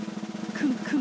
クンクン！